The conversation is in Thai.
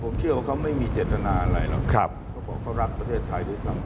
ผมเชื่อว่าเขาไม่มีเจตนาอะไรหรอกเขาบอกเขารักประเทศไทยด้วยซ้ำ